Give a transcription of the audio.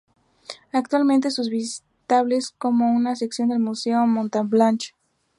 Actualmente son visitables como una sección del Museo de Montblanch.